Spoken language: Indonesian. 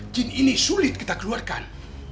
jin ini sulit kita keluarkan